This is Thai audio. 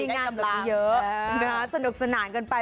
มีงานสนุกเยอะสนุกสนานเกินไป